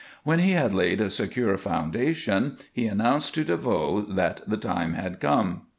When he had laid a secure foundation, he announced to DeVoe that the time had come.